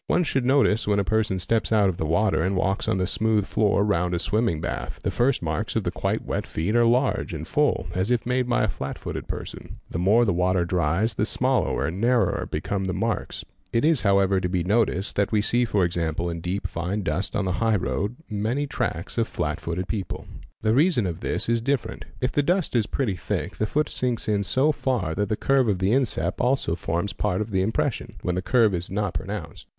One should Otice when a person steps out of the water and walks on the smooth or round a swimming bath. The first marks of the quite wet feet are irge and full, as if made by a flat footed person. The more the water wal ys te) Me ee Tet <aae ines, the smaller and narrower become the markg—this example is as Valuable for our work as many a long discussion. It is however to be noticed that we see, for example in deep, fine dust on the high road, many racks of flat footed people. The reason of this is different. If the dust is pretty thick, the foot sinks in so far that the curve of the instep also forms 1 A Rd RAI FE , rt of the impression, when the curve is not pronounced.